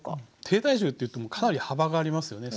低体重っていってもかなり幅がありますよね。